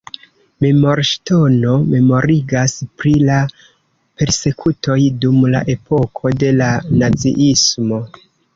Memorŝtono memorigas pri la persekutoj dum la epoko de la naziismo.